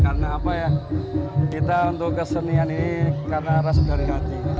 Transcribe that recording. karena apa ya kita untuk kesenian ini karena rasu dari hati